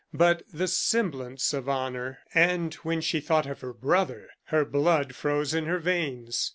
but the semblance of honor. And when she thought of her brother, her blood froze in her veins.